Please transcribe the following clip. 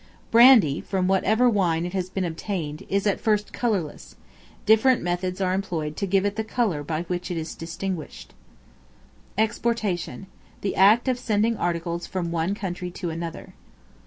Brandy, from whatever wine it has been obtained, is at first colorless; different methods are employed to give it the color by which it is distinguished. Exportation, the act of sending articles from one country to another.